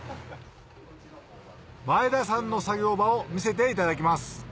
前田さんの作業場を見せていただきます